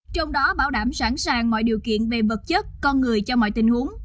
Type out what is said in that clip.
trong đó bảo đảm sẵn sàng mọi điều kiện về vật chất con người cho mọi tình huống